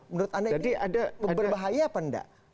menurut anda ini berbahaya apa enggak